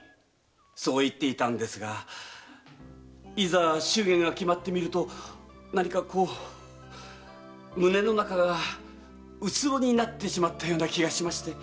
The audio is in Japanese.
そう言っていたんですがいざ祝言が決まってみると何かこう胸の中が虚ろになったような気がしまして。